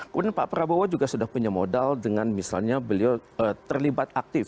kemudian pak prabowo juga sudah punya modal dengan misalnya beliau terlibat aktif